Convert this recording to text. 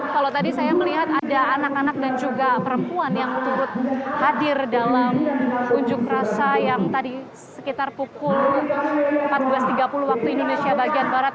kalau tadi saya melihat ada anak anak dan juga perempuan yang turut hadir dalam unjuk rasa yang tadi sekitar pukul empat belas tiga puluh waktu indonesia bagian barat